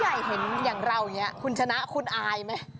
ใหญ่เห็นอย่างเราอย่างนี้คุณชนะคุณอายไหม